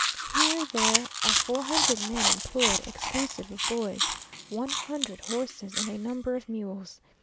Here there are four hundred men employed, exclusive of boys, one hundred horses, and a number of mules.